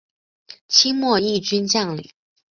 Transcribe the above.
清末毅军将领。